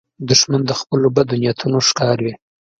دښمن د خپلو بدو نیتونو ښکار وي